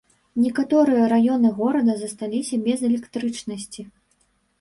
Некаторыя раёны горада засталіся без электрычнасці.